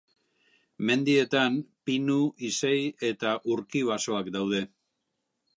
Mendietan pinu, izei eta urki basoak daude.